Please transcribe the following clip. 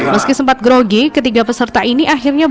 meski sempat grogi ketiga peserta ini akhirnya berhasil